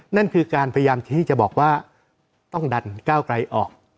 นั่นคือการพยายามที่จะบอกว่าต้องดันก้าวไกลออก